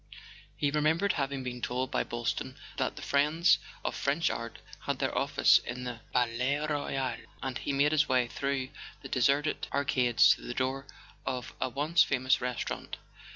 He remembered having been told by Boylston that "The Friends of French Art" had their office in the Palais Royal, and he made his way through the de¬ serted arcades to the door of a once famous restaurant.